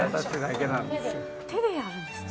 手でやるんですか？